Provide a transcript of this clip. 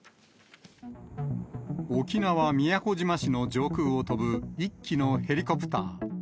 沖縄・宮古島市の上空を飛ぶ１機のヘリコプター。